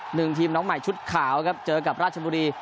หนึ่งทีมน้องใหม่ชุดขาวครับเจอกับราชบุรี